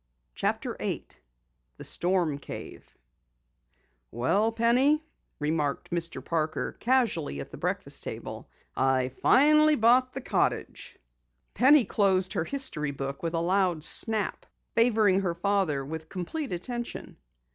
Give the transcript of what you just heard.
CHAPTER 8 THE STORM CAVE "Well, Penny," remarked Mr. Parker casually at the breakfast table. "I finally bought the cottage." Penny closed her history book with a loud snap, favoring her father with complete attention.